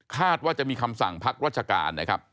ว่าจะมีคำสั่งพักราชการนะครับ